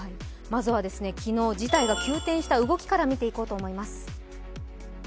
まずは昨日、事態が急転した動きから見ていこうと思います。